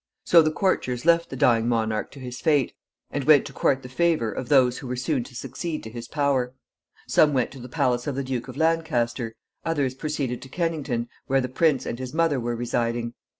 So the courtiers left the dying monarch to his fate, and went to court the favor of those who were soon to succeed to his power. Some went to the palace of the Duke of Lancaster; others proceeded to Kennington, where the prince and his mother were residing.